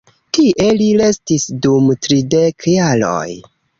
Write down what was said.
Tie, li restis dum tridek jaroj.